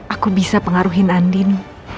aku bisa pengaruhin andin